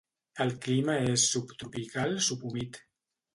El clima és subtropical subhumit.